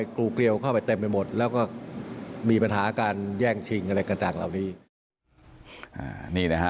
กรูเกลียวเข้าไปเต็มไปหมดแล้วก็มีปัญหาการแย่งชิงอะไรต่างเหล่านี้